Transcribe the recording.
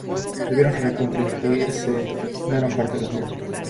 Debieron reconstruirse gran parte de los muros.